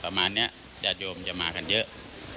ประมาณนี้ญาติโยมจะมากันเยอะ